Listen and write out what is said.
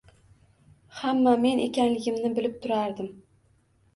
«Hamma» men ekanligimni bilib turardim.